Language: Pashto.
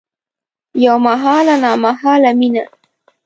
یوه محاله نامحاله میینه